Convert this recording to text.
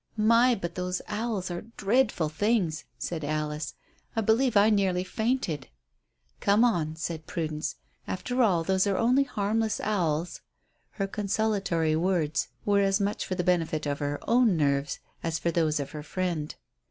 "My, but those owls are dreadful things," said Alice. "I believe I nearly fainted." "Come on," said Prudence. "After all they are only harmless owls." Her consolatory words were as much for the benefit of her own nerves as for those of her friend.